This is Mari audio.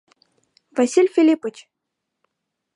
Василь Филиппыч!..